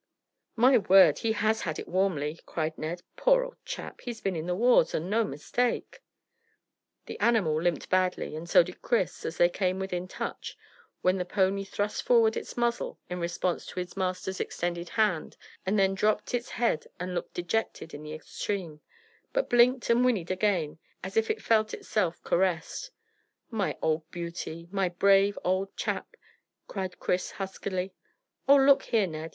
"My word, he has had it warmly," cried Ned. "Poor old chap, he's been in the wars, and no mistake!" The animal limped badly, and so did Chris, as they came within touch, when the pony thrust forward its muzzle in response to its master's extended hand, and then dropped its head and looked dejected in the extreme, but blinked and whinnied again as it felt itself caressed. "My old beauty! My brave old chap!" cried Chris huskily. "Oh, look here, Ned!